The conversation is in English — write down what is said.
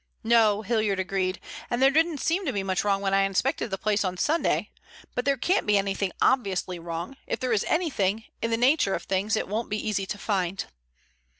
"No," Hilliard agreed, "and there didn't seem to be much wrong when I inspected the place on Sunday. But there can't be anything obviously wrong. If there is anything, in the nature of things it won't be easy to find."